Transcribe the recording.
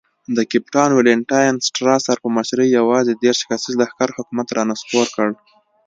د کپټان والنټاین سټراسر په مشرۍ یوازې دېرش کسیز لښکر حکومت را نسکور کړ.